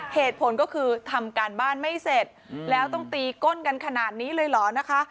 เหตุผลก็คือทำการบ้านไม่เสร็จแล้วต้องตีก้นกันขนาดนี้เลยเหรอนะคะ